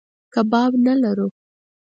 کباب نه لرو.